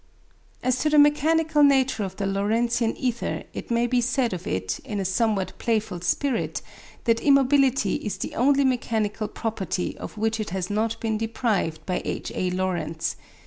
As to the mechanical nature of the Lorentzian ether, it may be said of it, in a somewhat playful spirit, that immobility is the only mechanical property of which it has not been deprived by H. A. Lorentz.